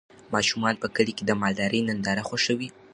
ماشومان په کلي کې د مالدارۍ ننداره خوښوي.